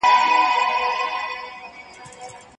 او ستا د ښكلي